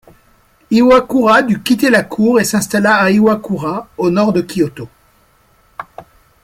Iwakura dut quitter la cour et s'installa à Iwakura, au nord de Kyôto.